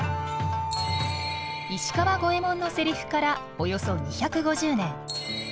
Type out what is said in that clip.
石川五右衛門のセリフからおよそ２５０年。